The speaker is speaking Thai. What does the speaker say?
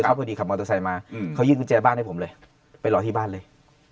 เขาพอดีขับมอเตอร์ไซค์มาเขายื่นกุญแจบ้านให้ผมเลยไปรอที่บ้านเลย